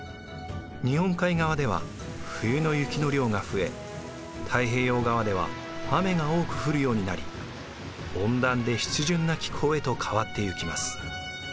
日本海側では冬の雪の量が増え太平洋側では雨が多く降るようになり温暖で湿潤な気候へと変わっていきます。